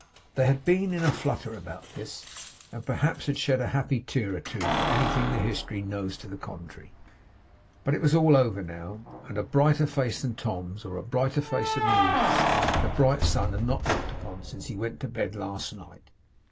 They had been in a flutter about this, and perhaps had shed a happy tear or two for anything the history knows to the contrary; but it was all over now; and a brighter face than Tom's, or a brighter face than Ruth's, the bright sun had not looked on since he went to bed last night.